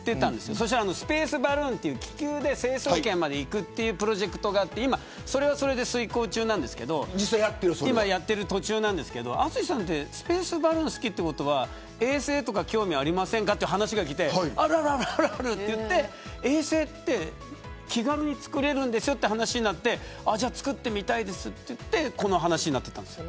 そしたらスペースバルーンという気球で成層圏まで行くというプロジェクトがあってそれはそれで遂行中なんですけど淳さんってスペースバルーンが好きということは衛星とか興味ありませんかという話がきてあるあるって言って衛星って気軽に造れるんですよという話になって造ってみたいですと言ってこの話になったんです。